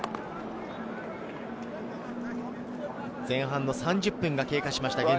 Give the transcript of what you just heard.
前半３０分を経過しました。